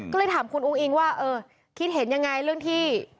ก็เลยถามคุณอุ้งอิงว่าเออคิดเห็นยังไงเรื่องที่